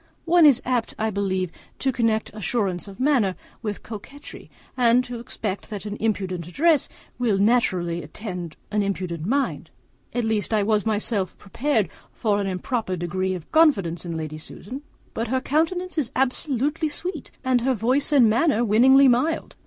One is apt, I believe, to connect assurance of manner with coquetry, and to expect that an impudent address will naturally attend an impudent mind; at least I was myself prepared for an improper degree of confidence in Lady Susan; but her countenance is absolutely sweet, and her voice and manner winningly mild.